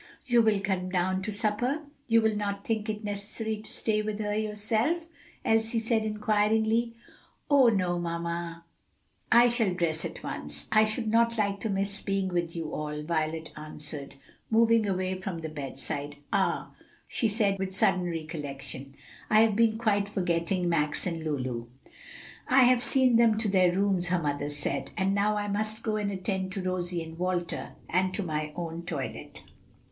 "You will come down to supper? you will not think it necessary to stay with her yourself?" Elsie said inquiringly. "Oh, no, mamma! I shall dress at once. I should not like to miss being with you all," Violet answered, moving away from the bedside. "Ah!" with sudden recollection, "I have been quite forgetting Max and Lulu." "I have seen them to their rooms," her mother said, "and now I must go and attend to Rosie and Walter, and to my own toilet."